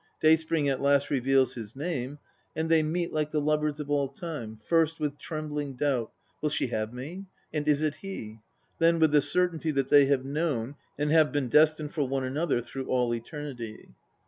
Day spring at last reveals his name, and they meet like the lovers of all time, first with trembling doubt, " Will she have me?" and " Is it he? " then with the certainty that they have known and have been destined for one another through all eternity.